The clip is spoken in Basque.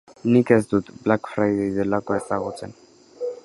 Nik ez dut Black Friday delakoa ezagutzen.